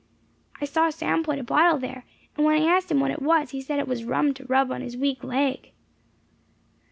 "I saw Sam put a bottle there; and when I asked him what it was, he said it was rum to rub on his weak leg."